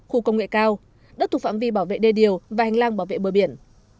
khu công nghệ cao đất thuộc phạm vi bảo vệ đê điều và hành lang bảo vệ bờ biển